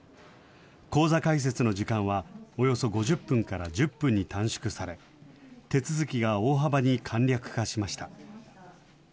口座開設の時間はおよそ５０分から１０分に短縮され、手続きが大幅に簡略化しました。